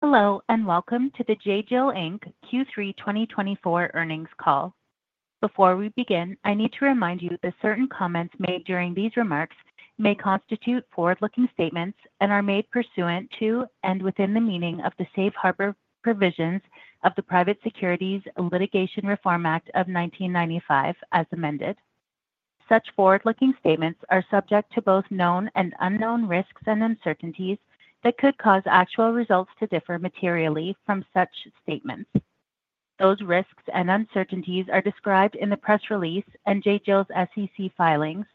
Hello and welcome to the J.Jill Inc Q3 2024 Earnings Call. Before we begin, I need to remind you that certain comments made during these remarks may constitute forward-looking statements and are made pursuant to and within the meaning of the safe harbor provisions of the Private Securities Litigation Reform Act of 1995, as amended. Such forward-looking statements are subject to both known and unknown risks and uncertainties that could cause actual results to differ materially from such statements. Those risks and uncertainties are described in the press release and J.Jill's SEC filings.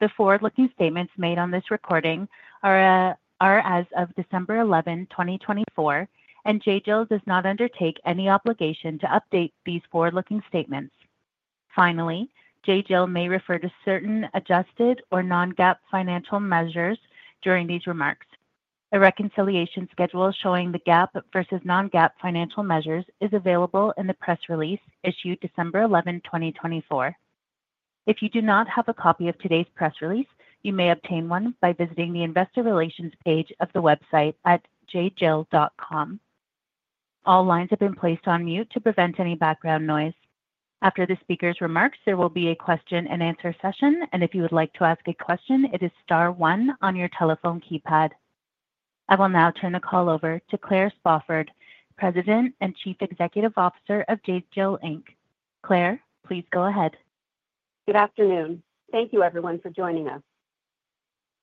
The forward-looking statements made on this recording are as of December 11, 2024, and J.Jill does not undertake any obligation to update these forward-looking statements. Finally, J.Jill may refer to certain adjusted or Non-GAAP financial measures during these remarks. A reconciliation schedule showing the GAAP versus non-GAAP financial measures is available in the press release issued December 11, 2024. If you do not have a copy of today's press release, you may obtain one by visiting the Investor Relations page of the website at jjill.com. All lines have been placed on mute to prevent any background noise. After the speaker's remarks, there will be a question-and-answer session, and if you would like to ask a question, it is star one on your telephone keypad. I will now turn the call over to Claire Spofford, President and Chief Executive Officer of J.Jill Inc Claire, please go ahead. Good afternoon. Thank you, everyone, for joining us.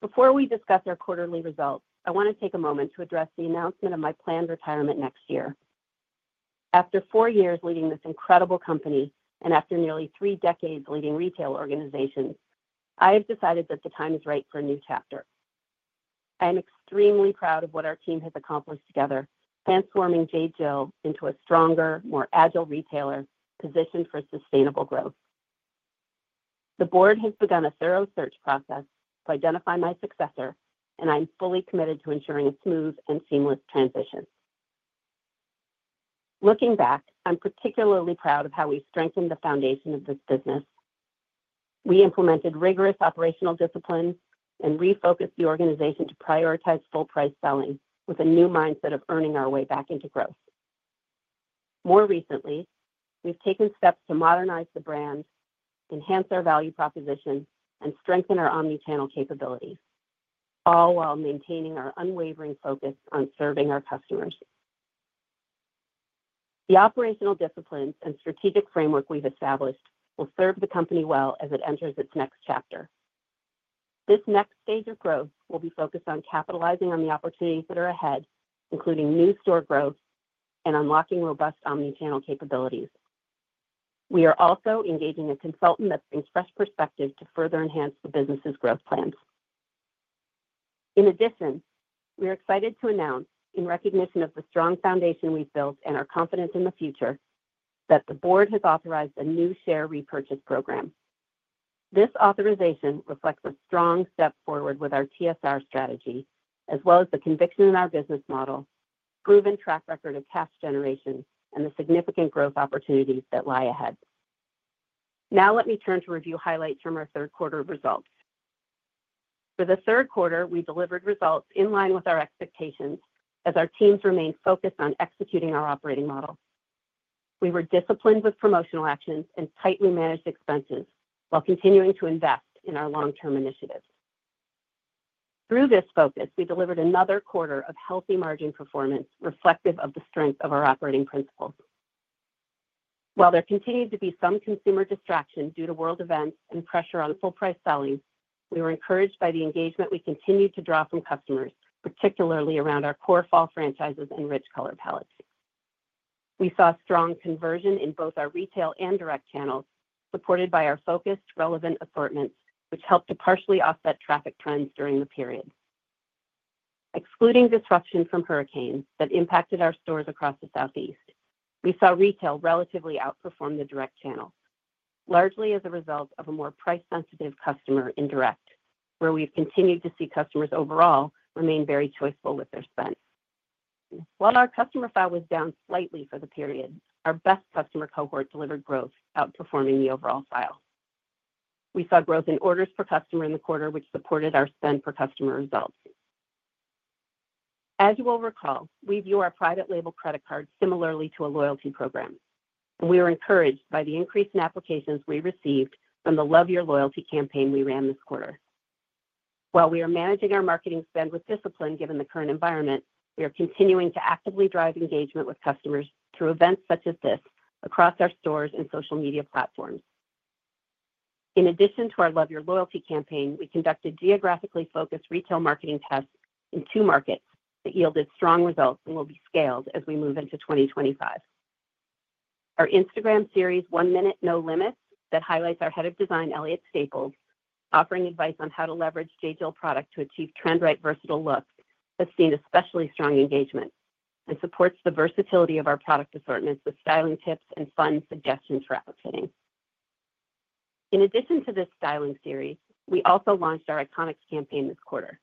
Before we discuss our quarterly results, I want to take a moment to address the announcement of my planned retirement next year. After four years leading this incredible company and after nearly three decades leading retail organizations, I have decided that the time is right for a new chapter. I am extremely proud of what our team has accomplished together, transforming J.Jill into a stronger, more agile retailer positioned for sustainable growth. The board has begun a thorough search process to identify my successor, and I am fully committed to ensuring a smooth and seamless transition. Looking back, I'm particularly proud of how we strengthened the foundation of this business. We implemented rigorous operational discipline and refocused the organization to prioritize full-price selling with a new mindset of earning our way back into growth. More recently, we've taken steps to modernize the brand, enhance our value proposition, and strengthen our omnichannel capabilities, all while maintaining our unwavering focus on serving our customers. The operational disciplines and strategic framework we've established will serve the company well as it enters its next chapter. This next stage of growth will be focused on capitalizing on the opportunities that are ahead, including new store growth and unlocking robust omnichannel capabilities. We are also engaging a consultant that brings fresh perspective to further enhance the business's growth plans. In addition, we are excited to announce, in recognition of the strong foundation we've built and our confidence in the future, that the board has authorized a new share repurchase program. This authorization reflects a strong step forward with our TSR strategy, as well as the conviction in our business model, proven track record of cash generation, and the significant growth opportunities that lie ahead. Now, let me turn to review highlights from our third quarter results. For the third quarter, we delivered results in line with our expectations as our teams remained focused on executing our operating model. We were disciplined with promotional actions and tightly managed expenses while continuing to invest in our long-term initiatives. Through this focus, we delivered another quarter of healthy margin performance reflective of the strength of our operating principles. While there continued to be some consumer distraction due to world events and pressure on full-price selling, we were encouraged by the engagement we continued to draw from customers, particularly around our core fall franchises and rich color palettes. We saw strong conversion in both our retail and direct channels, supported by our focused, relevant assortments, which helped to partially offset traffic trends during the period. Excluding disruption from hurricanes that impacted our stores across the Southeast, we saw retail relatively outperform the direct channel, largely as a result of a more price-sensitive customer in direct, where we've continued to see customers overall remain very choiceful with their spend. While our customer file was down slightly for the period, our best customer cohort delivered growth, outperforming the overall file. We saw growth in orders per customer in the quarter, which supported our spend-per-customer results. As you will recall, we view our private label credit cards similarly to a loyalty program, and we were encouraged by the increase in applications we received from the Love Your Loyalty campaign we ran this quarter. While we are managing our marketing spend with discipline given the current environment, we are continuing to actively drive engagement with customers through events such as this across our stores and social media platforms. In addition to our Love Your Loyalty campaign, we conducted geographically focused retail marketing tests in two markets that yielded strong results and will be scaled as we move into 2025. Our Instagram series, One Minute No Limits, that highlights our head of design, Elliot Staples, offering advice on how to leverage J.Jill product to achieve trend-right versatile looks, has seen especially strong engagement and supports the versatility of our product assortments with styling tips and fun suggestions for outfitting. In addition to this styling series, we also launched our Iconics campaign this quarter,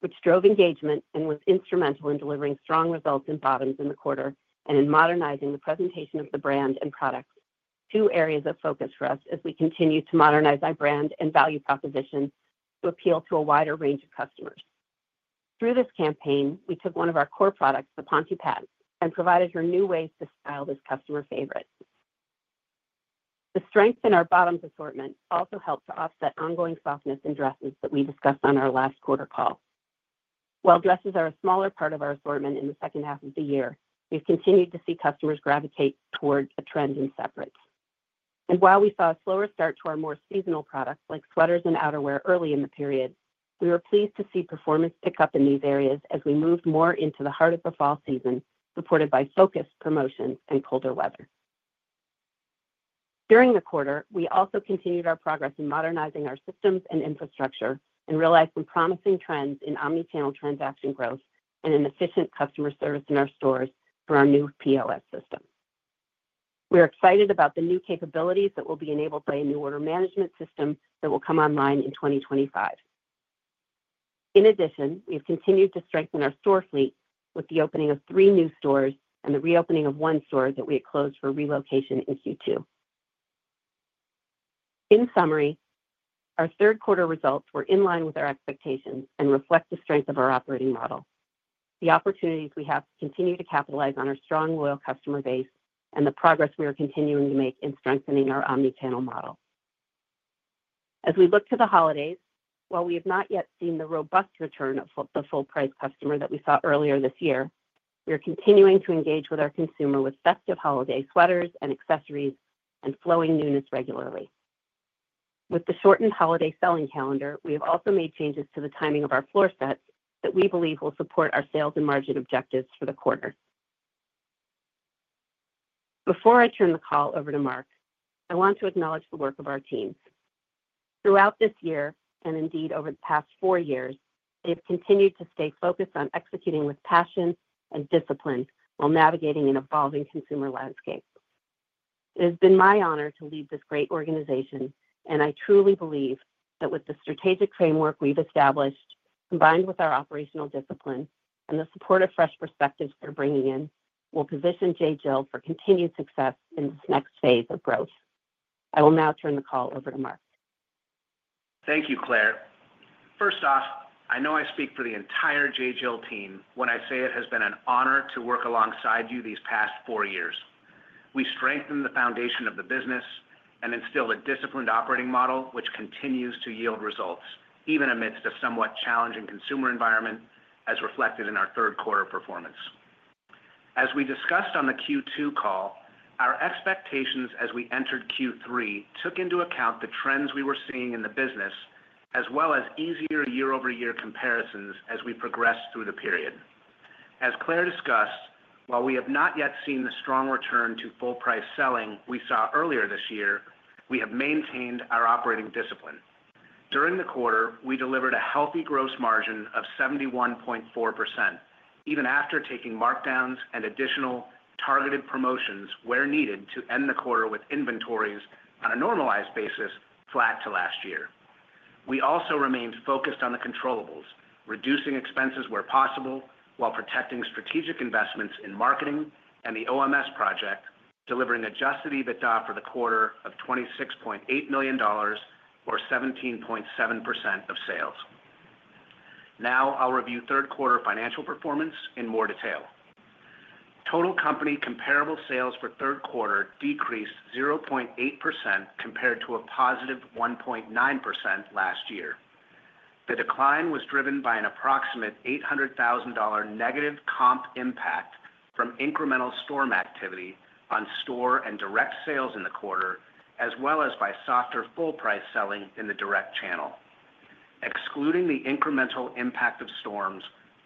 which drove engagement and was instrumental in delivering strong results in bottoms in the quarter and in modernizing the presentation of the brand and products, two areas of focus for us as we continue to modernize our brand and value proposition to appeal to a wider range of customers. Through this campaign, we took one of our core products, the Ponte pant, and provided her new ways to style this customer favorite. The strength in our bottoms assortment also helped to offset ongoing softness in dresses that we discussed on our last quarter call. While dresses are a smaller part of our assortment in the second half of the year, we've continued to see customers gravitate toward a trend in separates. While we saw a slower start to our more seasonal products like sweaters and outerwear early in the period, we were pleased to see performance pick up in these areas as we moved more into the heart of the fall season, supported by focused promotions and colder weather. During the quarter, we also continued our progress in modernizing our systems and infrastructure and realized some promising trends in omnichannel transaction growth and in efficient customer service in our stores for our new POS system. We are excited about the new capabilities that will be enabled by a new order management system that will come online in 2025. In addition, we have continued to strengthen our store fleet with the opening of three new stores and the reopening of one store that we had closed for relocation in Q2. In summary, our third quarter results were in line with our expectations and reflect the strength of our operating model, the opportunities we have to continue to capitalize on our strong, loyal customer base, and the progress we are continuing to make in strengthening our omnichannel model. As we look to the holidays, while we have not yet seen the robust return of the full-price customer that we saw earlier this year, we are continuing to engage with our consumer with festive holiday sweaters and accessories and flowing newness regularly. With the shortened holiday selling calendar, we have also made changes to the timing of our floor sets that we believe will support our sales and margin objectives for the quarter. Before I turn the call over to Mark, I want to acknowledge the work of our teams. Throughout this year, and indeed over the past four years, they have continued to stay focused on executing with passion and discipline while navigating an evolving consumer landscape. It has been my honor to lead this great organization, and I truly believe that with the strategic framework we've established, combined with our operational discipline and the support of fresh perspectives we're bringing in, we'll position J.Jill for continued success in this next phase of growth. I will now turn the call over to Mark. Thank you, Claire. First off, I know I speak for the entire J.Jill team when I say it has been an honor to work alongside you these past four years. We strengthened the foundation of the business and instilled a disciplined operating model, which continues to yield results even amidst a somewhat challenging consumer environment, as reflected in our third quarter performance. As we discussed on the Q2 call, our expectations as we entered Q3 took into account the trends we were seeing in the business, as well as easier year-over-year comparisons as we progressed through the period. As Claire discussed, while we have not yet seen the strong return to full-price selling we saw earlier this year, we have maintained our operating discipline. During the quarter, we delivered a healthy gross margin of 71.4%, even after taking markdowns and additional targeted promotions where needed to end the quarter with inventories on a normalized basis flat to last year. We also remained focused on the controllables, reducing expenses where possible while protecting strategic investments in marketing and the OMS project, delivering an adjusted EBITDA for the quarter of $26.8 million, or 17.7% of sales. Now, I'll review third quarter financial performance in more detail. Total company comparable sales for third quarter decreased 0.8% compared to a positive 1.9% last year. The decline was driven by an approximate $800,000 negative comp impact from incremental storm activity on store and direct sales in the quarter, as well as by softer full-price selling in the direct channel. Excluding the incremental impact of storms,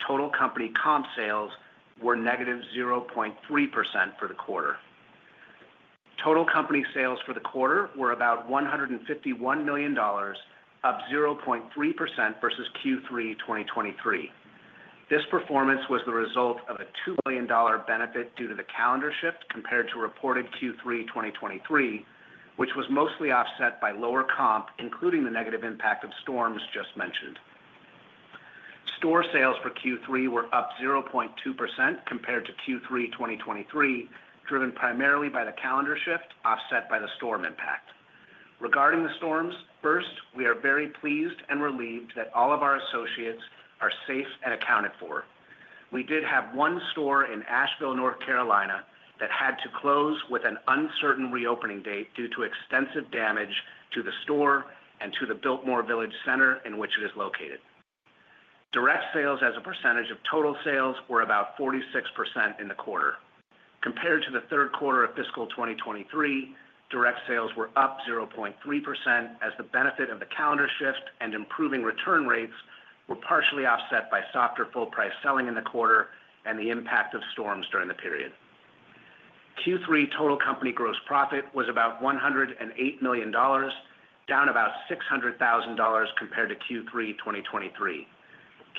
total company comp sales were negative 0.3% for the quarter. Total company sales for the quarter were about $151 million, up 0.3% versus Q3 2023. This performance was the result of a $2 million benefit due to the calendar shift compared to reported Q3 2023, which was mostly offset by lower comp, including the negative impact of storms just mentioned. Store sales for Q3 were up 0.2% compared to Q3 2023, driven primarily by the calendar shift offset by the storm impact. Regarding the storms, first, we are very pleased and relieved that all of our associates are safe and accounted for. We did have one store in Asheville, North Carolina, that had to close with an uncertain reopening date due to extensive damage to the store and to the Biltmore Village center in which it is located. Direct sales as a percentage of total sales were about 46% in the quarter. Compared to the third quarter of fiscal 2023, direct sales were up 0.3% as the benefit of the calendar shift and improving return rates were partially offset by softer full-price selling in the quarter and the impact of storms during the period. Q3 total company gross profit was about $108 million, down about $600,000 compared to Q3 2023.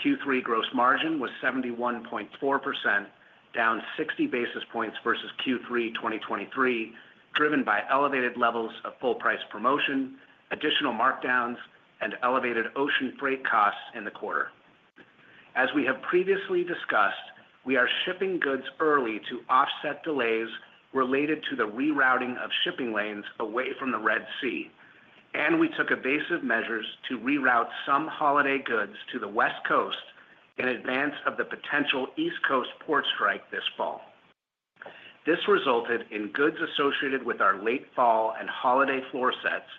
Q3 gross margin was 71.4%, down 60 basis points versus Q3 2023, driven by elevated levels of full-price promotion, additional markdowns, and elevated ocean freight costs in the quarter. As we have previously discussed, we are shipping goods early to offset delays related to the rerouting of shipping lanes away from the Red Sea, and we took evasive measures to reroute some holiday goods to the West Coast in advance of the potential East Coast port strike this fall. This resulted in goods associated with our late fall and holiday floor sets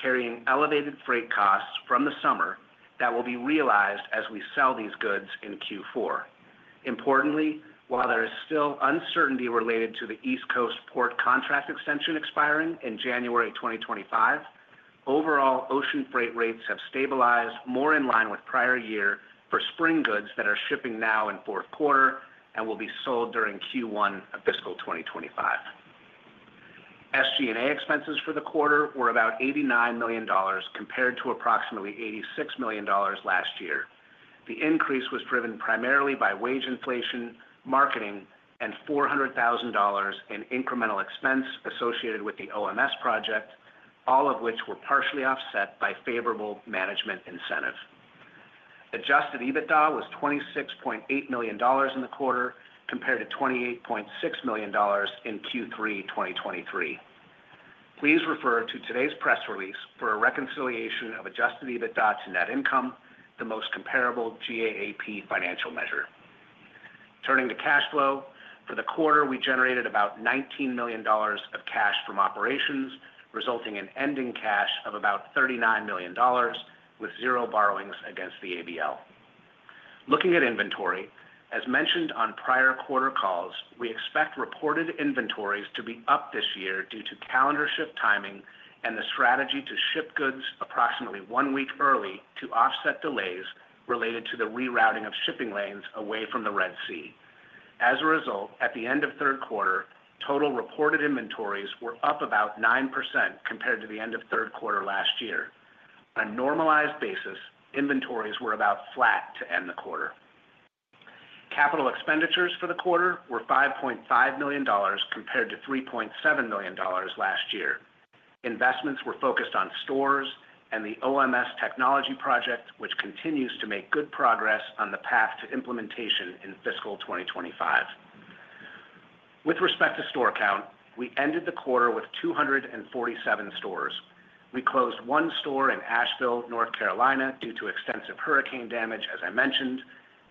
carrying elevated freight costs from the summer that will be realized as we sell these goods in Q4. Importantly, while there is still uncertainty related to the East Coast port contract extension expiring in January 2025, overall ocean freight rates have stabilized more in line with prior year for spring goods that are shipping now in fourth quarter and will be sold during Q1 of fiscal 2025. SG&A expenses for the quarter were about $89 million compared to approximately $86 million last year. The increase was driven primarily by wage inflation, marketing, and $400,000 in incremental expense associated with the OMS project, all of which were partially offset by favorable management incentive. Adjusted EBITDA was $26.8 million in the quarter compared to $28.6 million in Q3 2023. Please refer to today's press release for a reconciliation of Adjusted EBITDA to net income, the most comparable GAAP financial measure. Turning to cash flow, for the quarter, we generated about $19 million of cash from operations, resulting in ending cash of about $39 million with zero borrowings against the ABL. Looking at inventory, as mentioned on prior quarter calls, we expect reported inventories to be up this year due to calendar shift timing and the strategy to ship goods approximately one week early to offset delays related to the rerouting of shipping lanes away from the Red Sea. As a result, at the end of third quarter, total reported inventories were up about 9% compared to the end of third quarter last year. On a normalized basis, inventories were about flat to end the quarter. Capital expenditures for the quarter were $5.5 million compared to $3.7 million last year. Investments were focused on stores and the OMS technology project, which continues to make good progress on the path to implementation in fiscal 2025. With respect to store count, we ended the quarter with 247 stores. We closed one store in Asheville, North Carolina, due to extensive hurricane damage, as I mentioned,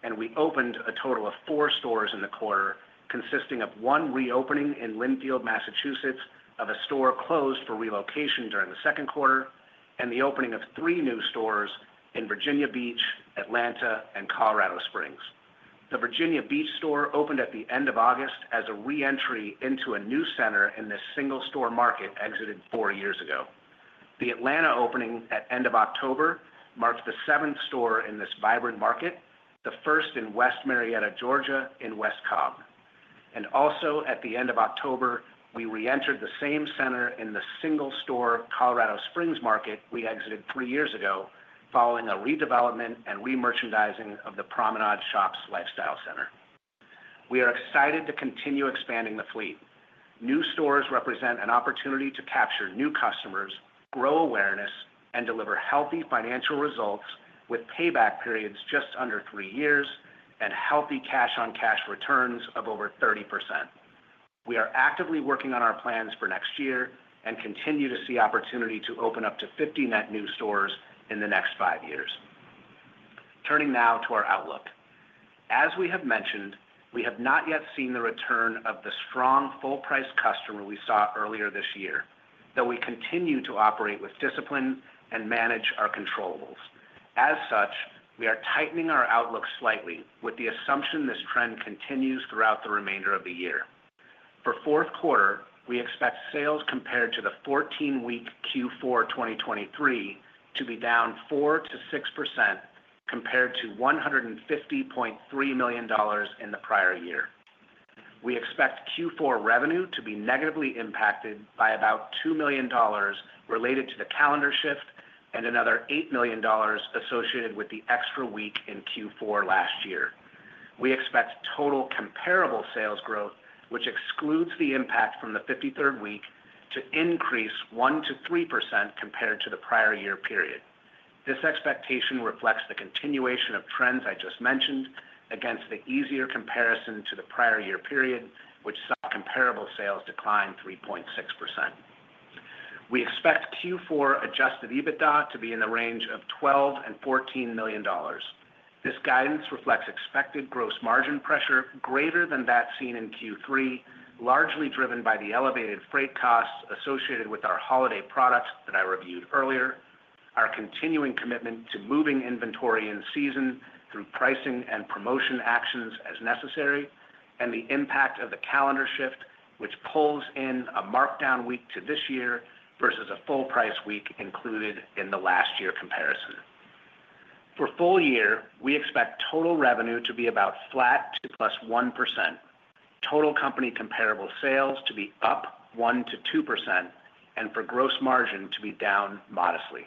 and we opened a total of four stores in the quarter, consisting of one reopening in Lynnfield, Massachusetts, of a store closed for relocation during the second quarter, and the opening of three new stores in Virginia Beach, Atlanta, and Colorado Springs. The Virginia Beach store opened at the end of August as a re-entry into a new center in this single store market exited four years ago. The Atlanta opening at the end of October marked the seventh store in this vibrant market, the first in West Marietta, Georgia, in West Cobb. And also, at the end of October, we re-entered the same center in the single store Colorado Springs market we exited three years ago following a redevelopment and re-merchandising of the Promenade Shops lifestyle center. We are excited to continue expanding the fleet. New stores represent an opportunity to capture new customers, grow awareness, and deliver healthy financial results with payback periods just under three years and healthy cash-on-cash returns of over 30%. We are actively working on our plans for next year and continue to see opportunity to open up to 50 net new stores in the next five years. Turning now to our outlook. As we have mentioned, we have not yet seen the return of the strong full-price customer we saw earlier this year, though we continue to operate with discipline and manage our controllables. As such, we are tightening our outlook slightly with the assumption this trend continues throughout the remainder of the year. For fourth quarter, we expect sales compared to the 14-week Q4 2023 to be down 4%-6% compared to $150.3 million in the prior year. We expect Q4 revenue to be negatively impacted by about $2 million related to the calendar shift and another $8 million associated with the extra week in Q4 last year. We expect total comparable sales growth, which excludes the impact from the 53rd week, to increase 1%-3% compared to the prior year period. This expectation reflects the continuation of trends I just mentioned against the easier comparison to the prior year period, which saw comparable sales decline 3.6%. We expect Q4 Adjusted EBITDA to be in the range of $12 million-$14 million. This guidance reflects expected gross margin pressure greater than that seen in Q3, largely driven by the elevated freight costs associated with our holiday products that I reviewed earlier, our continuing commitment to moving inventory in season through pricing and promotion actions as necessary, and the impact of the calendar shift, which pulls in a markdown week to this year versus a full-price week included in the last year comparison. For full year, we expect total revenue to be about flat to plus 1%, total company comparable sales to be up 1%-2%, and for gross margin to be down modestly.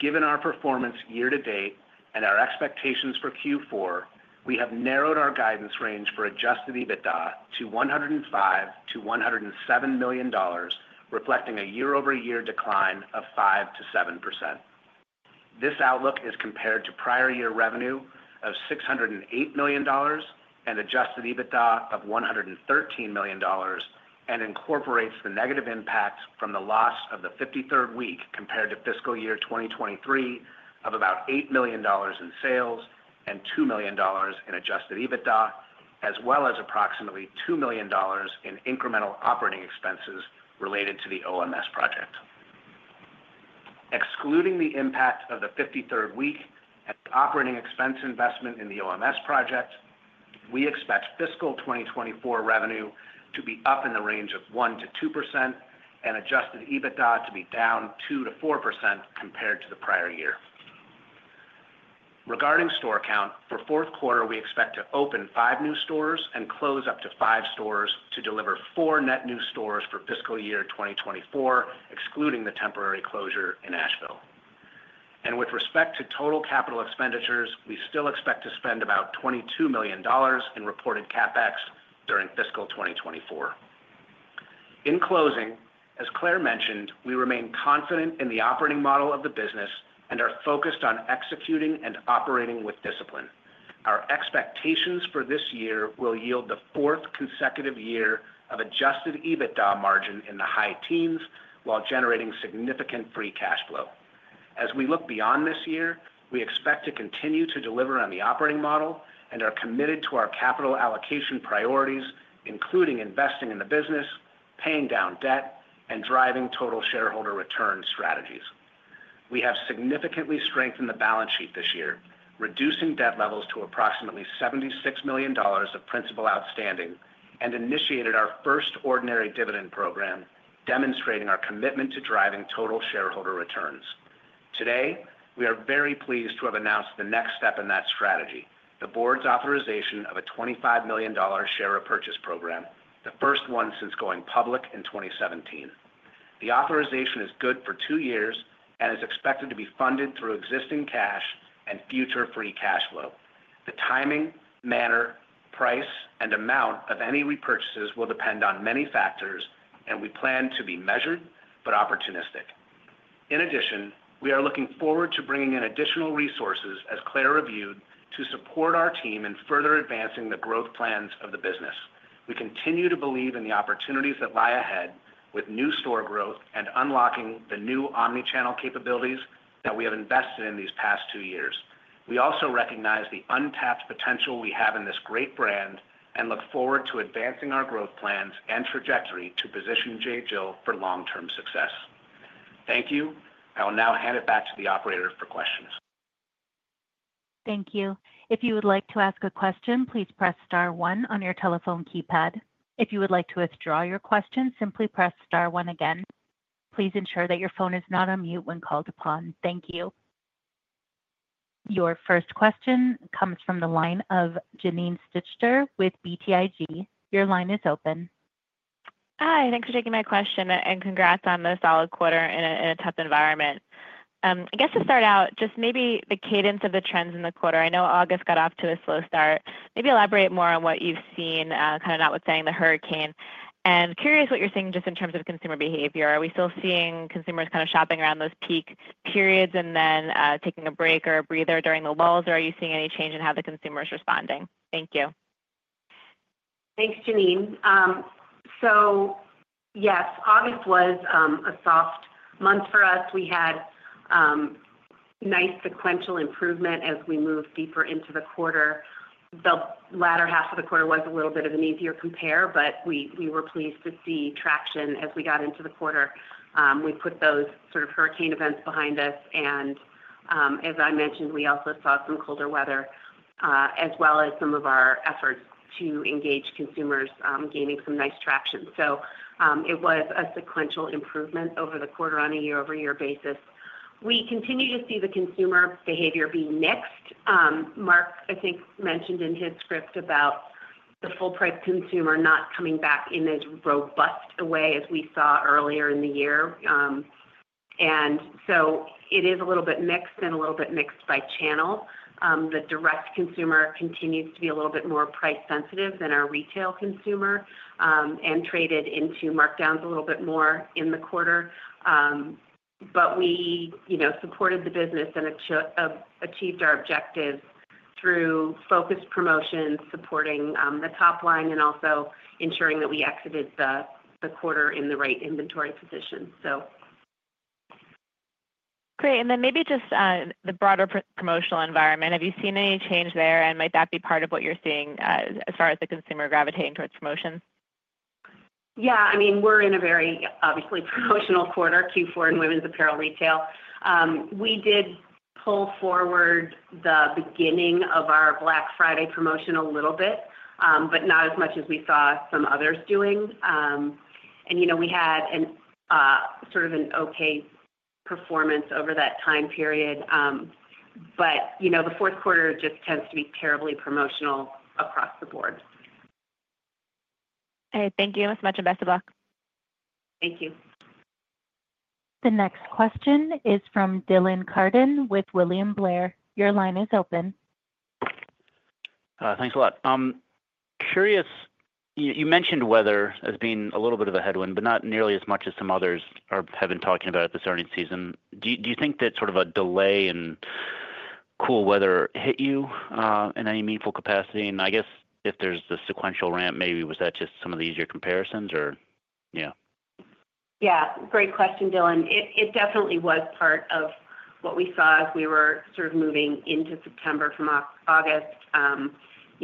Given our performance year to date and our expectations for Q4, we have narrowed our guidance range for Adjusted EBITDA to $105 million-$107 million, reflecting a year-over-year decline of 5%-7%. This outlook is compared to prior year revenue of $608 million and adjusted EBITDA of $113 million and incorporates the negative impact from the loss of the 53rd week compared to fiscal year 2023 of about $8 million in sales and $2 million in adjusted EBITDA, as well as approximately $2 million in incremental operating expenses related to the OMS project. Excluding the impact of the 53rd week and operating expense investment in the OMS project, we expect fiscal 2024 revenue to be up in the range of 1%-2% and adjusted EBITDA to be down 2%-4% compared to the prior year. Regarding store count, for fourth quarter, we expect to open five new stores and close up to five stores to deliver four net new stores for fiscal year 2024, excluding the temporary closure in Asheville. With respect to total capital expenditures, we still expect to spend about $22 million in reported CapEx during fiscal 2024. In closing, as Claire mentioned, we remain confident in the operating model of the business and are focused on executing and operating with discipline. Our expectations for this year will yield the fourth consecutive year of adjusted EBITDA margin in the high teens while generating significant free cash flow. As we look beyond this year, we expect to continue to deliver on the operating model and are committed to our capital allocation priorities, including investing in the business, paying down debt, and driving total shareholder return strategies. We have significantly strengthened the balance sheet this year, reducing debt levels to approximately $76 million of principal outstanding and initiated our first ordinary dividend program, demonstrating our commitment to driving total shareholder returns. Today, we are very pleased to have announced the next step in that strategy: the board's authorization of a $25 million share repurchase program, the first one since going public in 2017. The authorization is good for two years and is expected to be funded through existing cash and future free cash flow. The timing, manner, price, and amount of any repurchases will depend on many factors, and we plan to be measured but opportunistic. In addition, we are looking forward to bringing in additional resources, as Claire reviewed, to support our team in further advancing the growth plans of the business. We continue to believe in the opportunities that lie ahead with new store growth and unlocking the new omnichannel capabilities that we have invested in these past two years. We also recognize the untapped potential we have in this great brand and look forward to advancing our growth plans and trajectory to position J.Jill for long-term success. Thank you. I will now hand it back to the operator for questions. Thank you. If you would like to ask a question, please press star one on your telephone keypad. If you would like to withdraw your question, simply press star one again. Please ensure that your phone is not on mute when called upon. Thank you. Your first question comes from the line of Janine Stichter with BTIG. Your line is open. Hi. Thanks for taking my question and congrats on the solid quarter in a tough environment. I guess to start out, just maybe the cadence of the trends in the quarter. I know August got off to a slow start. Maybe elaborate more on what you've seen, kind of without saying the hurricane. And curious what you're seeing just in terms of consumer behavior. Are we still seeing consumers kind of shopping around those peak periods and then taking a break or a breather during the lulls, or are you seeing any change in how the consumer is responding? Thank you. Thanks, Janine, so yes, August was a soft month for us. We had nice sequential improvement as we moved deeper into the quarter. The latter half of the quarter was a little bit of an easier compare, but we were pleased to see traction as we got into the quarter. We put those sort of hurricane events behind us, and as I mentioned, we also saw some colder weather, as well as some of our efforts to engage consumers gaining some nice traction. So it was a sequential improvement over the quarter on a year-over-year basis. We continue to see the consumer behavior be mixed. Mark, I think, mentioned in his script about the full-price consumer not coming back in as robust a way as we saw earlier in the year. And so it is a little bit mixed and a little bit mixed by channel. The direct consumer continues to be a little bit more price-sensitive than our retail consumer and traded into markdowns a little bit more in the quarter. But we supported the business and achieved our objectives through focused promotions, supporting the top line and also ensuring that we exited the quarter in the right inventory position, so. Great. And then maybe just the broader promotional environment. Have you seen any change there, and might that be part of what you're seeing as far as the consumer gravitating towards promotions? Yeah. I mean, we're in a very obviously promotional quarter, Q4 in women's apparel retail. We did pull forward the beginning of our Black Friday promotion a little bit, but not as much as we saw some others doing. And we had sort of an okay performance over that time period. But the fourth quarter just tends to be terribly promotional across the board. Okay. Thank you so much. And best of luck. Thank you. The next question is from Dylan Carden with William Blair. Your line is open. Thanks a lot. Curious, you mentioned weather as being a little bit of a headwind, but not nearly as much as some others have been talking about at this earnings season. Do you think that sort of a delay in cool weather hit you in any meaningful capacity? And I guess if there's a sequential ramp, maybe was that just some of the easier comparisons, or? Yeah. Yeah. Great question, Dylan. It definitely was part of what we saw as we were sort of moving into September from August.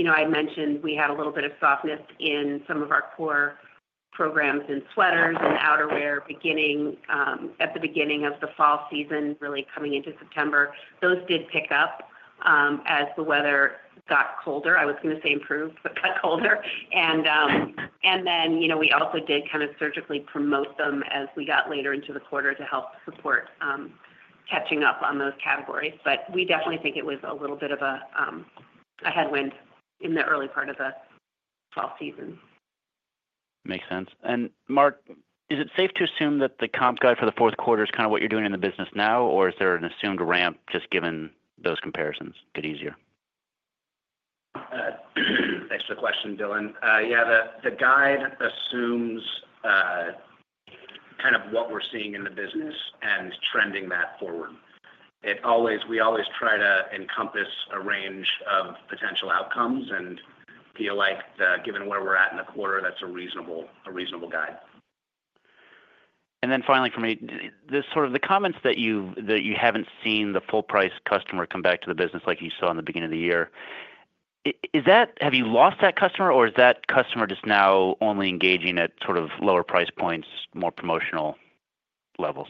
I mentioned we had a little bit of softness in some of our core programs in sweaters and outerwear at the beginning of the fall season, really coming into September. Those did pick up as the weather got colder. I was going to say improved, but got colder, and then we also did kind of surgically promote them as we got later into the quarter to help support catching up on those categories. But we definitely think it was a little bit of a headwind in the early part of the fall season. Makes sense. And Mark, is it safe to assume that the comp guide for the fourth quarter is kind of what you're doing in the business now, or is there an assumed ramp just given those comparisons get easier? Thanks for the question, Dylan. Yeah. The guide assumes kind of what we're seeing in the business and trending that forward. We always try to encompass a range of potential outcomes and feel like given where we're at in the quarter, that's a reasonable guide. And then finally for me, sort of the comments that you haven't seen the full-price customer come back to the business like you saw in the beginning of the year, have you lost that customer, or is that customer just now only engaging at sort of lower price points, more promotional levels?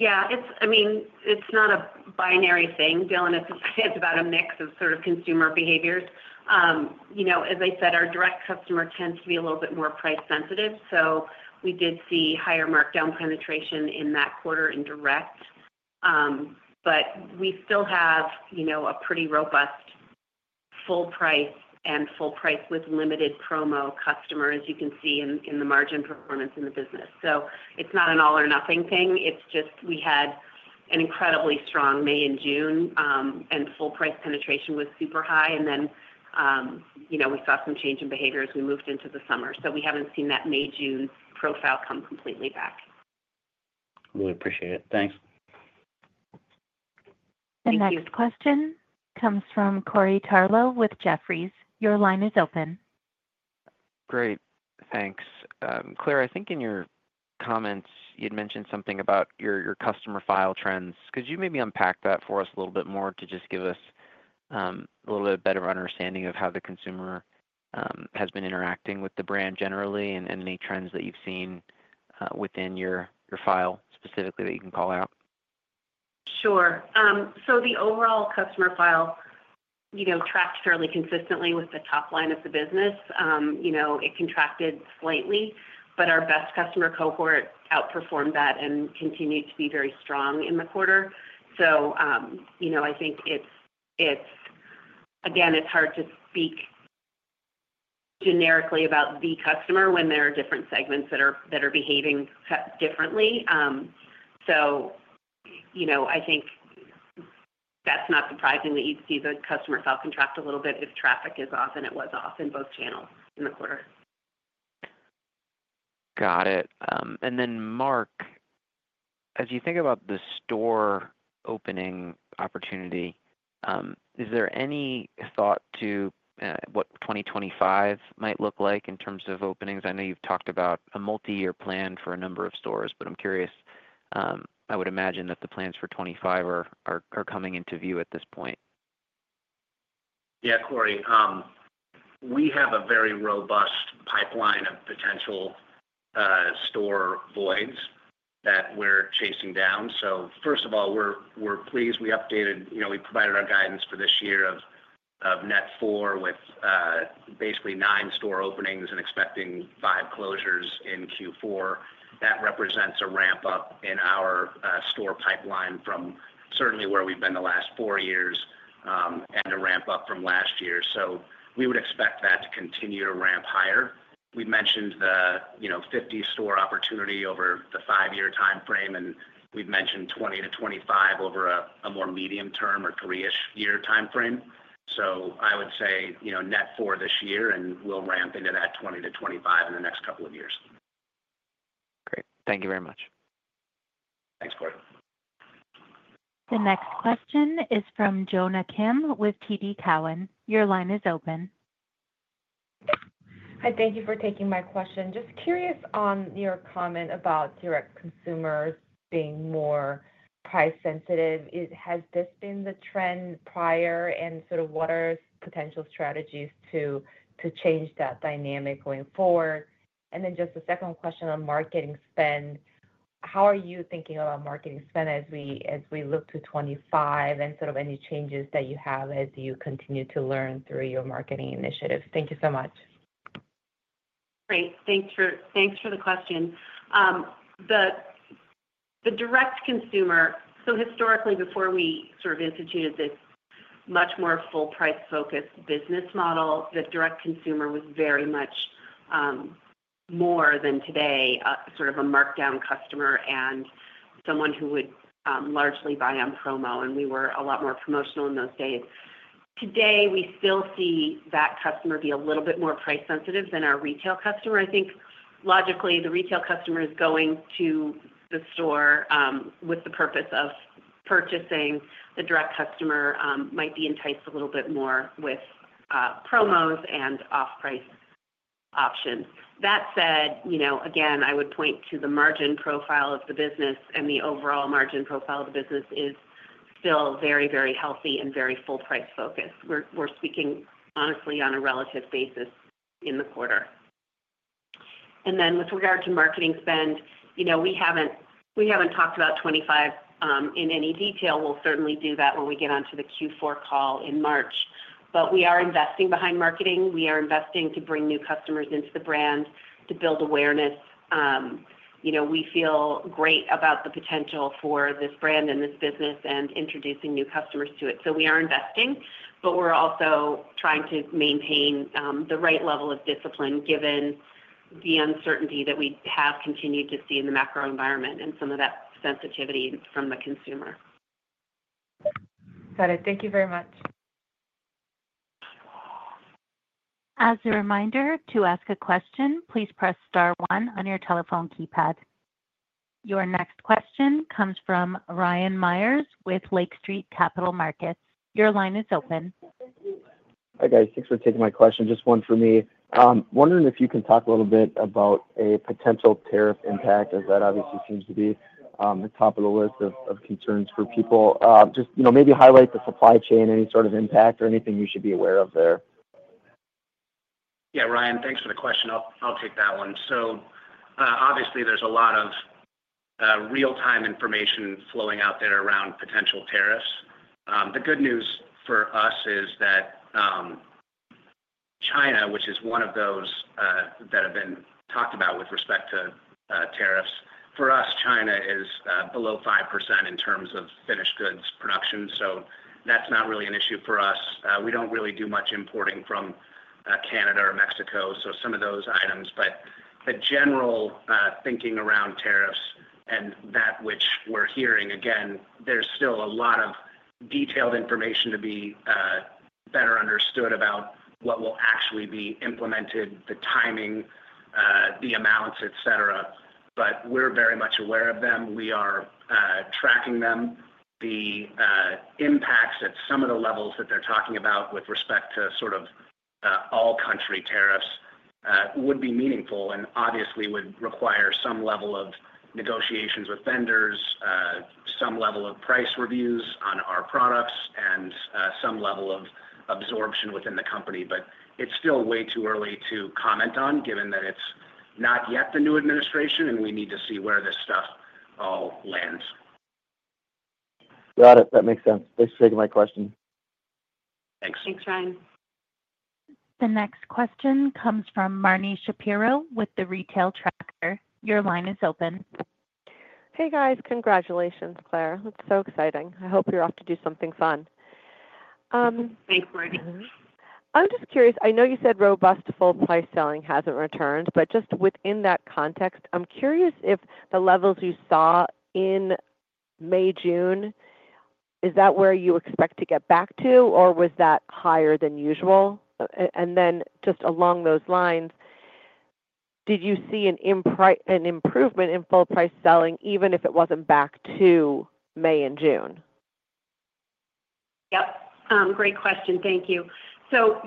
Yeah. I mean, it's not a binary thing, Dylan. It's about a mix of sort of consumer behaviors. As I said, our direct customer tends to be a little bit more price-sensitive. So we did see higher markdown penetration in that quarter in direct. But we still have a pretty robust full-price and full-price with limited promo customers, as you can see in the margin performance in the business. So it's not an all-or-nothing thing. It's just we had an incredibly strong May and June, and full-price penetration was super high. And then we saw some change in behavior as we moved into the summer. So we haven't seen that May-June profile come completely back. Really appreciate it. Thanks. Thank you. The next question comes from Corey Tarlow with Jefferies. Your line is open. Great. Thanks. Claire, I think in your comments, you'd mentioned something about your customer file trends. Could you maybe unpack that for us a little bit more to just give us a little bit better understanding of how the consumer has been interacting with the brand generally and any trends that you've seen within your file specifically that you can call out? Sure. So the overall customer file tracked fairly consistently with the top line of the business. It contracted slightly, but our best customer cohort outperformed that and continued to be very strong in the quarter. So I think, again, it's hard to speak generically about the customer when there are different segments that are behaving differently. So I think that's not surprising that you'd see the customer file contract a little bit if traffic is off and it was off in both channels in the quarter. Got it. And then Mark, as you think about the store opening opportunity, is there any thought to what 2025 might look like in terms of openings? I know you've talked about a multi-year plan for a number of stores, but I'm curious. I would imagine that the plans for 2025 are coming into view at this point. Yeah, Corey. We have a very robust pipeline of potential store sites that we're chasing down. So first of all, we're pleased. We provided our guidance for this year of net four with basically nine store openings and expecting five closures in Q4. That represents a ramp-up in our store pipeline from certainly where we've been the last four years and a ramp-up from last year. So we would expect that to continue to ramp higher. We mentioned the 50-store opportunity over the five-year time frame, and we've mentioned 20-25 over a more medium-term or three-ish-year time frame. So I would say net four this year, and we'll ramp into that 20 to 25 in the next couple of years. Great. Thank you very much. Thanks, Corey. The next question is from Jonna Kim with TD Cowen. Your line is open. Hi. Thank you for taking my question. Just curious on your comment about direct consumers being more price-sensitive. Has this been the trend prior, and sort of what are potential strategies to change that dynamic going forward? And then just a second question on marketing spend. How are you thinking about marketing spend as we look to 2025 and sort of any changes that you have as you continue to learn through your marketing initiatives? Thank you so much. Great. Thanks for the question. The direct consumer, so historically, before we sort of instituted this much more full-price-focused business model, the direct consumer was very much more than today sort of a markdown customer and someone who would largely buy on promo, and we were a lot more promotional in those days. Today, we still see that customer be a little bit more price-sensitive than our retail customer. I think logically, the retail customer is going to the store with the purpose of purchasing. The direct customer might be enticed a little bit more with promos and off-price options. That said, again, I would point to the margin profile of the business, and the overall margin profile of the business is still very, very healthy and very full-price-focused. We're speaking honestly on a relative basis in the quarter. And then with regard to marketing spend, we haven't talked about 2025 in any detail. We'll certainly do that when we get onto the Q4 call in March. But we are investing behind marketing. We are investing to bring new customers into the brand, to build awareness. We feel great about the potential for this brand and this business and introducing new customers to it. So we are investing, but we're also trying to maintain the right level of discipline given the uncertainty that we have continued to see in the macro environment and some of that sensitivity from the consumer. Got it. Thank you very much. As a reminder, to ask a question, please press star one on your telephone keypad. Your next question comes from Ryan Meyers with Lake Street Capital Markets. Your line is open. Hi, guys. Thanks for taking my question. Just one for me. Wondering if you can talk a little bit about a potential tariff impact, as that obviously seems to be the top of the list of concerns for people. Just maybe highlight the supply chain, any sort of impact or anything you should be aware of there. Yeah, Ryan, thanks for the question. I'll take that one. So obviously, there's a lot of real-time information flowing out there around potential tariffs. The good news for us is that China, which is one of those that have been talked about with respect to tariffs, for us, China is below 5% in terms of finished goods production. So that's not really an issue for us. We don't really do much importing from Canada or Mexico, so some of those items. But the general thinking around tariffs and that which we're hearing, again, there's still a lot of detailed information to be better understood about what will actually be implemented, the timing, the amounts, etc. But we're very much aware of them. We are tracking them. The impacts at some of the levels that they're talking about with respect to sort of all-country tariffs would be meaningful and obviously would require some level of negotiations with vendors, some level of price reviews on our products, and some level of absorption within the company. But it's still way too early to comment on, given that it's not yet the new administration, and we need to see where this stuff all lands. Got it. That makes sense. Thanks for taking my question. Thanks. Thanks, Ryan. The next question comes from Marni Shapiro with The Retail Tracker. Your line is open. Hey, guys. Congratulations, Claire. It's so exciting. I hope you're off to do something fun. Thanks, Marni. I'm just curious. I know you said robust full-price selling hasn't returned, but just within that context, I'm curious if the levels you saw in May-June, is that where you expect to get back to, or was that higher than usual? And then just along those lines, did you see an improvement in full-price selling even if it wasn't back to May and June? Yep. Great question. Thank you. So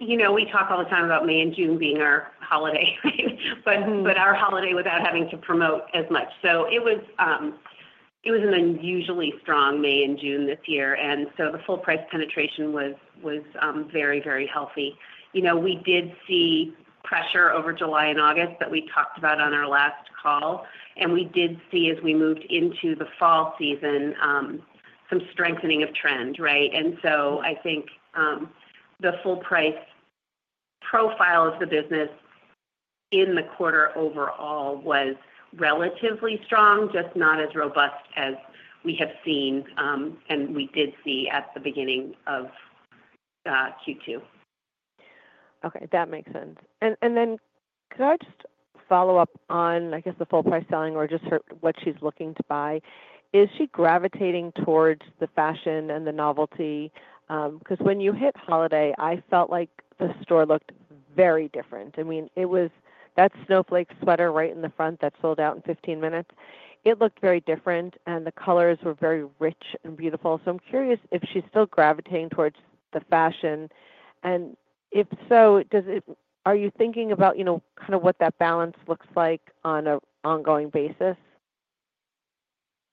we talk all the time about May and June being our holiday, right? But our holiday without having to promote as much. So it was an unusually strong May and June this year. And so the full-price penetration was very, very healthy. We did see pressure over July and August that we talked about on our last call. And we did see, as we moved into the fall season, some strengthening of trend, right? And so I think the full-price profile of the business in the quarter overall was relatively strong, just not as robust as we have seen and we did see at the beginning of Q2. Okay. That makes sense. And then could I just follow up on, I guess, the full-price selling or just what she's looking to buy? Is she gravitating towards the fashion and the novelty? Because when you hit holiday, I felt like the store looked very different. I mean, that Snowflake sweater right in the front that sold out in 15 minutes, it looked very different, and the colors were very rich and beautiful. So I'm curious if she's still gravitating towards the fashion. And if so, are you thinking about kind of what that balance looks like on an ongoing basis?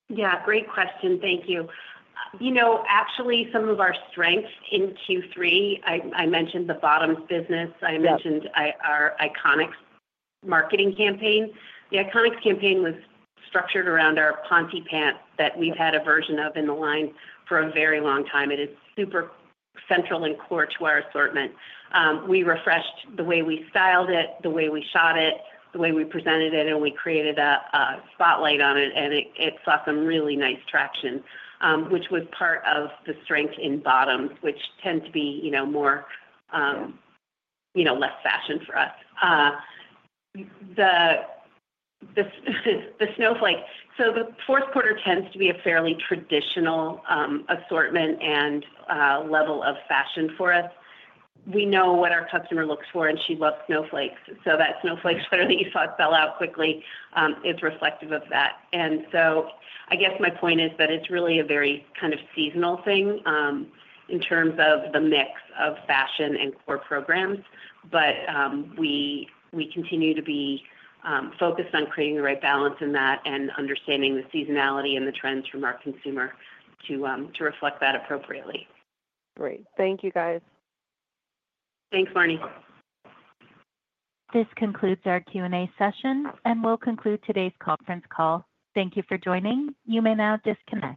Yeah. Great question. Thank you. Actually, some of our strengths in Q3, I mentioned the bottoms business. I mentioned our Iconics marketing campaign. The Iconics campaign was structured around our Ponte pants that we've had a version of in the line for a very long time. It is super central and core to our assortment. We refreshed the way we styled it, the way we shot it, the way we presented it, and we created a spotlight on it. It saw some really nice traction, which was part of the strength in bottoms, which tend to be more or less fashion for us. The Snowflake. The fourth quarter tends to be a fairly traditional assortment and level of fashion for us. We know what our customer looks for, and she loves snowflakes. Those snowflakes that you saw sell out quickly are reflective of that. And so I guess my point is that it's really a very kind of seasonal thing in terms of the mix of fashion and core programs. But we continue to be focused on creating the right balance in that and understanding the seasonality and the trends from our consumer to reflect that appropriately. Great. Thank you, guys. Thanks, Marni. This concludes our Q&A session, and we'll conclude today's conference call. Thank you for joining. You may now disconnect.